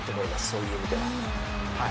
そういう意味では。